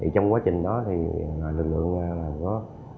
trong quá trình đó thì lực lượng có